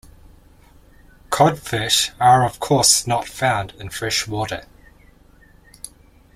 Cod fish are of course not found in fresh water.